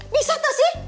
bisa tuh sih